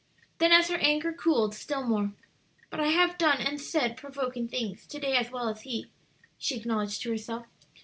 Then as her anger cooled still more, "But I have done and said provoking things to day as well as he," she acknowledged to herself.